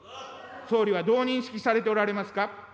総理はどう認識されておられますか。